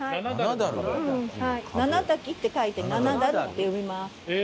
「七滝」って書いて「ななだる」って読みます。